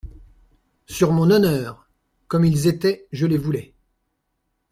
Sur mon honneur, comme ils étaient je les voulais.